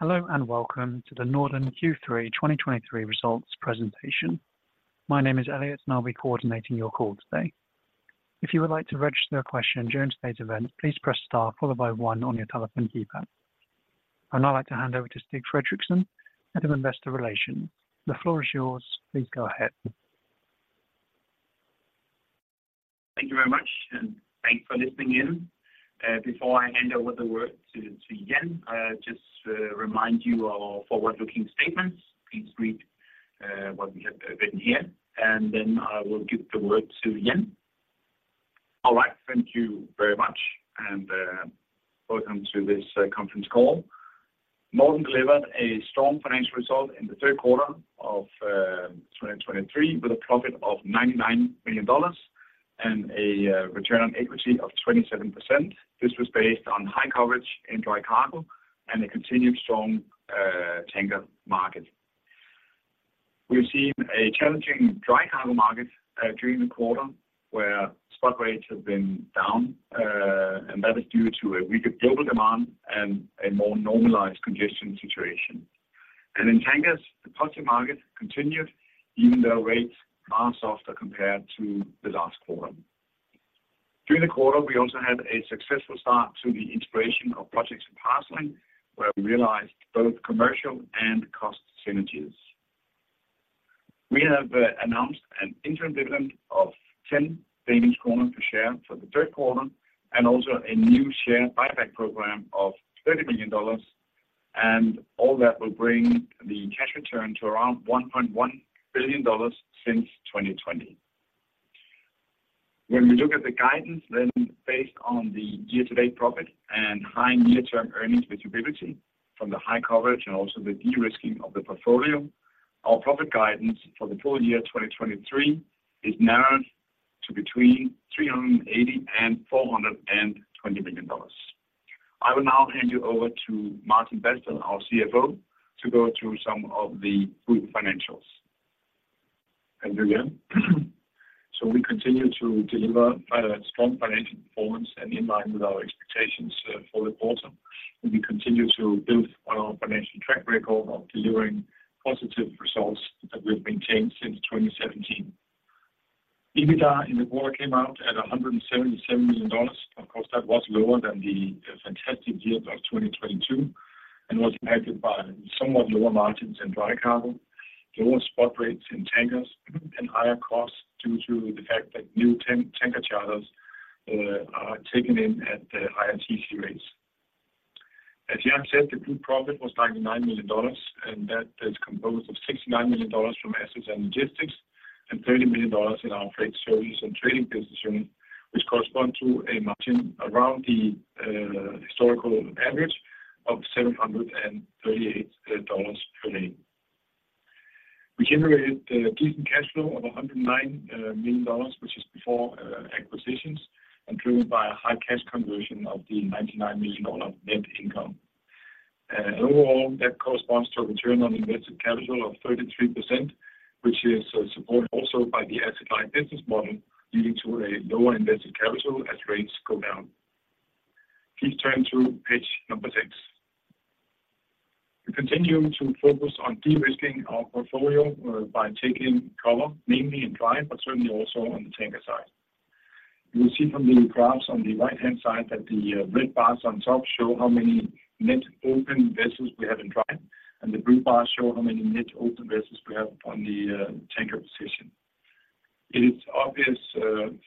Hello, and welcome to the Norden Q3 2023 Results presentation. My name is Elliot, and I'll be coordinating your call today. If you would like to register a question during today's event, please press Star followed by one on your telephone keypad. I'd now like to hand over to Stig Frederiksen, Head of Investor Relations. The floor is yours. Please go ahead. Thank you very much, and thanks for listening in. Before I hand over the word to Jan, just to remind you of our forward-looking statements, please read what we have written here, and then I will give the word to Jan. All right. Thank you very much, and welcome to this conference call. Norden delivered a strong financial result in the third quarter of 2023, with a profit of $99 million and a return on equity of 27%. This was based on high coverage in Dry Cargo and a continued strong Tanker market. We've seen a challenging Dry Cargo market during the quarter, where spot rates have been down, and that is due to a weaker global demand and a more normalized congestion situation. In Tankers, the positive market continued, even though rates are softer compared to the last quarter. During the quarter, we also had a successful start to the integration of Projects and Parcelling, where we realized both commercial and cost synergies. We have announced an interim dividend of 10 Danish kroner per share for the third quarter, and also a new share buyback program of $30 million, and all that will bring the cash return to around $1.1 billion since 2020. When we look at the guidance, then based on the year-to-date profit and high near-term earnings visibility from the high coverage and also the de-risking of the portfolio, our profit guidance for the full year 2023 is narrowed to between $380 million and $420 million. I will now hand you over to Martin Badsted, our CFO, to go through some of the group financials. Thank you, Jan. We continue to deliver strong financial performance and in line with our expectations for the quarter, and we continue to build on our financial track record of delivering positive results that we've maintained since 2017. EBITDA in the quarter came out at $177 million. Of course, that was lower than the fantastic year of 2022 and was impacted by somewhat lower margins in Dry Cargo, lower spot rates in Tankers, and higher costs due to the fact that new term Tanker charters are taken in at the higher TC rates. As Jan said, the group profit was $99 million, and that is composed of $69 million from Assets and Logistics, and $30 million in our Freight Services and Trading business unit, which correspond to a margin around the historical average of $738 per day. We generated a decent cash flow of $109 million, which is before acquisitions and driven by a high cash conversion of the $99 million net income. Overall, that corresponds to a return on invested capital of 33%, which is supported also by the asset-light business model, leading to a lower invested capital as rates go down. Please turn to page six. We continue to focus on de-risking our portfolio by taking cover, mainly in Dry Cargo, but certainly also on the Tanker side. You will see from the graphs on the right-hand side that the red bars on top show how many net open vessels we have in Dry Cargo, and the blue bars show how many net open vessels we have on the Tanker position. It is obvious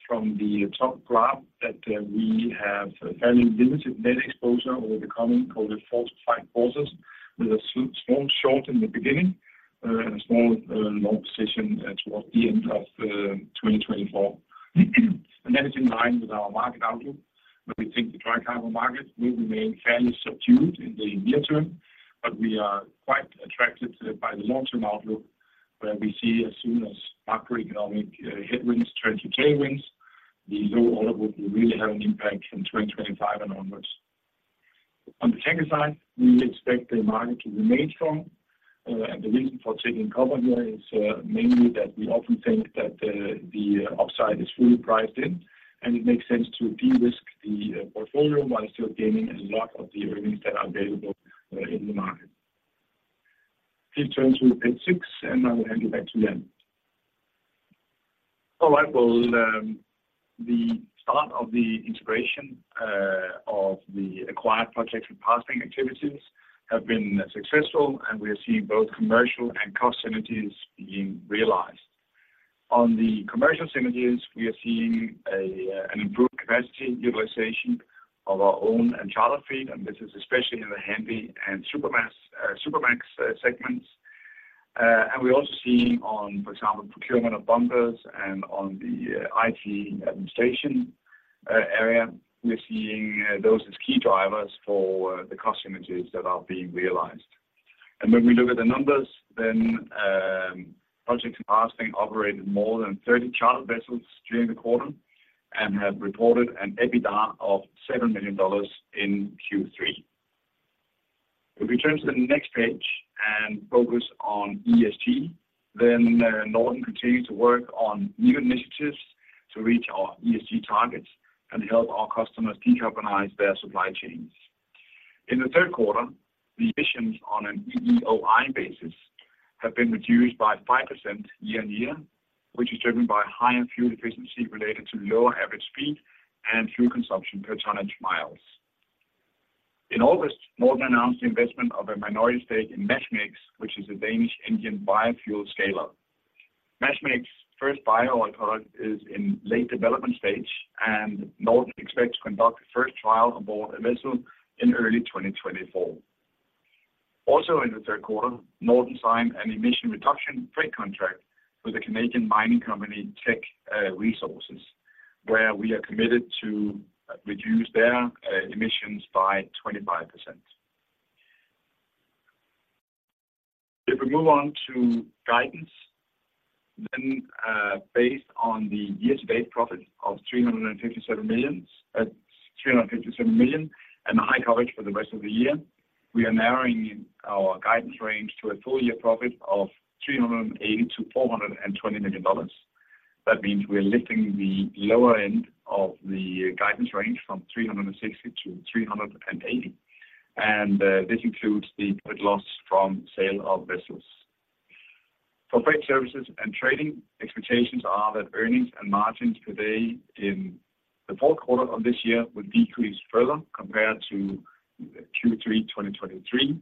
from the top graph that we have fairly limited net exposure over the coming quarter, four to five quarters, with a small short in the beginning, and a small long position towards the end of 2024. And that is in line with our market outlook, where we think the Dry Cargo market will remain fairly subdued in the near term, but we are quite attracted to it by the long-term outlook, where we see as soon as macroeconomic headwinds turn to tailwinds, the low orderbook will really have an impact in 2025 and onwards. On the Tanker side, we expect the market to remain strong, and the reason for taking cover here is, mainly that we often think that the upside is fully priced in, and it makes sense to de-risk the portfolio while still gaining a lot of the earnings that are available, in the market. Please turn to page six, and I will hand it back to Jan. All right. Well, the start of the integration of the acquired Projects and Parcelling activities have been successful, and we are seeing both commercial and cost synergies being realized. On the commercial synergies, we are seeing an improved capacity utilization of our own and charter fleet, and this is especially in the Handysize and Supramax segments. And we're also seeing on, for example, procurement of bunkers and on the IT administration area, we're seeing those as key drivers for the cost synergies that are being realized. And when we look at the numbers, then, Projects and Parcelling operated more than 30 charter vessels during the quarter and have reported an EBITDA of $7 million in Q3. If we turn to the next page... and focus on ESG, then, Norden continue to work on new initiatives to reach our ESG targets and help our customers decarbonize their supply chains. In the third quarter, the emissions on an EEOI basis have been reduced by 5% year-on-year, which is driven by higher fuel efficiency related to lower average speed and fuel consumption per tonnage miles. In August, Norden announced the investment of a minority stake in MASH Makes, which is a Danish engine biofuel scale-up. MASH Makes' first bio product is in late development stage, and Norden expects to conduct the first trial aboard a vessel in early 2024. Also, in the third quarter, Norden signed an emission reduction trade contract with the Canadian mining company, Teck Resources, where we are committed to reduce their emissions by 25%. If we move on to guidance, then, based on the year-to-date profit of $357 million, and the high coverage for the rest of the year, we are narrowing our guidance range to a full year profit of $380 million to $420 million. That means we are lifting the lower end of the guidance range from $360 to $380, and this includes the gain from sale of vessels. For Freight Services and Trading, expectations are that earnings and margins per day in the fourth quarter of this year will decrease further compared to Q3 2023,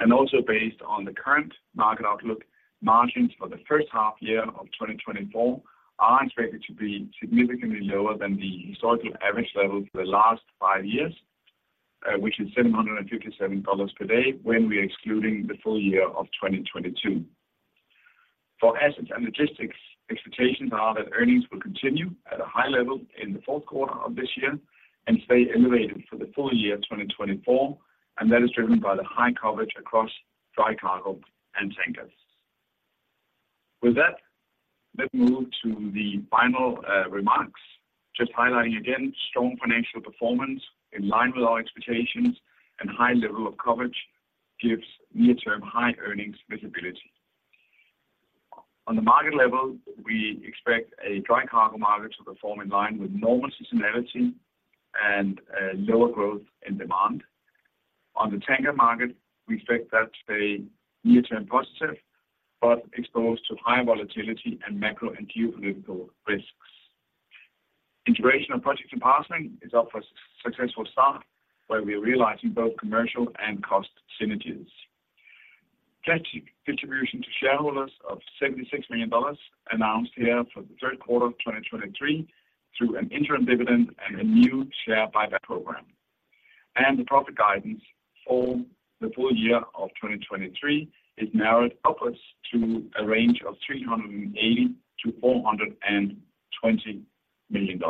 and also based on the current market outlook, margins for the first half year of 2024 are expected to be significantly lower than the historical average level for the last five years, which is $757 per day when we are excluding the full year of 2022. For Assets and Logistics, expectations are that earnings will continue at a high level in the fourth quarter of this year and stay elevated for the full year of 2024, and that is driven by the high coverage across Dry Cargo and Tankers. With that, let's move to the final remarks. Just highlighting, again, strong financial performance in line with our expectations and high level of coverage gives near-term high earnings visibility. On the market level, we expect a Dry Cargo market to perform in line with normal seasonality and lower growth in demand. On the Tanker market, we expect that to stay near-term positive, but exposed to high volatility and macro and geopolitical risks. Integration of Projects and Parcelling is off to a successful start, where we are realizing both commercial and cost synergies. Cash distribution to shareholders of $76 million announced here for the third quarter of 2023 through an interim dividend and a new share buyback program. And the profit guidance for the full year of 2023 is narrowed upwards to a range of $380 million to $420 million.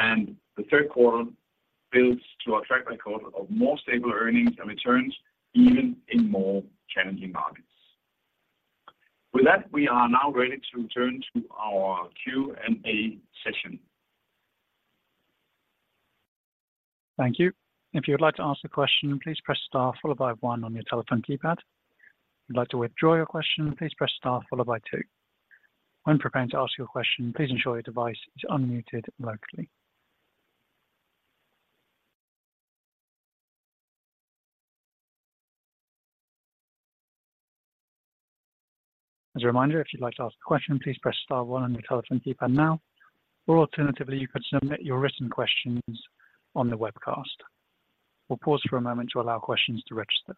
And the third quarter builds to a track record of more stable earnings and returns, even in more challenging markets. With that, we are now ready to turn to our Q&A session. Thank you. If you would like to ask a question, please press star followed by one on your telephone keypad. If you'd like to withdraw your question, please press star followed by two. When preparing to ask your question, please ensure your device is unmuted locally. As a reminder, if you'd like to ask a question, please press star one on your telephone keypad now, or alternatively, you could submit your written questions on the webcast. We'll pause for a moment to allow questions to register.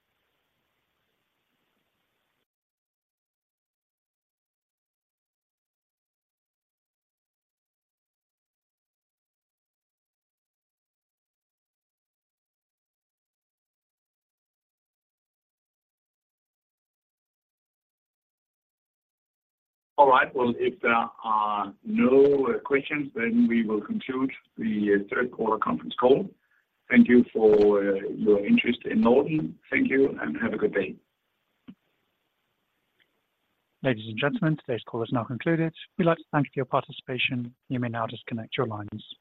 All right. Well, if there are no questions, then we will conclude the third quarter conference call. Thank you for your interest in Norden. Thank you, and have a good day. Ladies and gentlemen, today's call is now concluded. We'd like to thank you for your participation. You may now disconnect your lines.